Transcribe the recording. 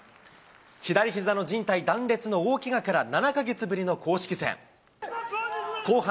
左ひざのじん帯断裂の大けがから７か月ぶりの公式戦。